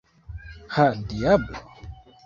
Ha, diablo!